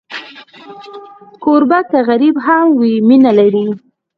کوربه که غریب هم وي، مینه لري.